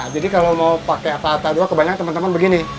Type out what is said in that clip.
jadi kalau mau pakai avata dua kebanyakan teman teman begini